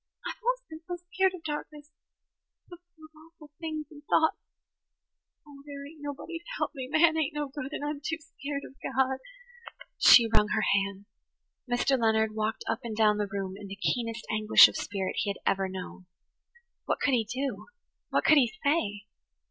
I've always been so skeered of darkness–it's so full of awful things and thoughts. Oh, there ain't nobody to help me! Man ain't no good and I'm too skeered of God." She wrung her hands. Mr. Leonard walked up and down the room in the keenest anguish of spirit he had ever known. What could he do? What could he say?